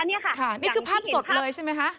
นี่คือภาพสดเลยใช่ไหมคะ